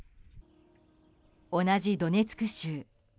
同じドネツク州。